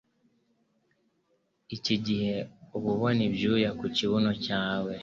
Iki gihe uba ubona ibyuya ku kibuno cyawe.